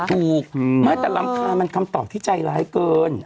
ถูกไม่แต่รำคาญมันคำตอบที่ใจร้ายเกิน